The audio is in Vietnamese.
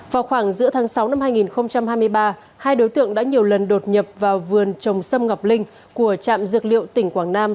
vào khoảng giữa tháng sáu năm hai nghìn hai mươi ba hai đối tượng đã nhiều lần đột nhập vào vườn trồng sâm ngọc linh của trạm dược liệu tỉnh quảng nam